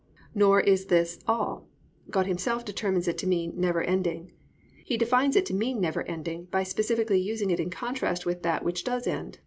Nor is this all, God Himself determines it to mean never ending: He defines it to mean never ending by specifically using it in contrast with that which does end.